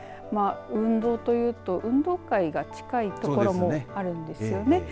運動というと運動会が近いところもあるんですよね。